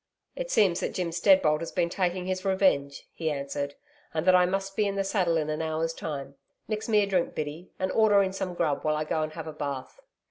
'It seems that Jim Steadbolt has been taking his revenge,' he answered, 'and that I must be in the saddle in an hour's time. Mix me a drink, Biddy, and order in some grub, while I go and have a bath.'